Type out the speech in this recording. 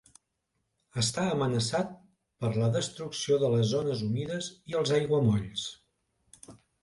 Està amenaçat per la destrucció de les zones humides i els aiguamolls.